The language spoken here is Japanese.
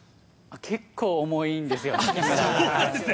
結構重いんですよ。